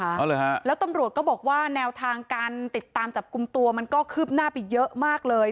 เอาเลยฮะแล้วตำรวจก็บอกว่าแนวทางการติดตามจับกลุ่มตัวมันก็คืบหน้าไปเยอะมากเลย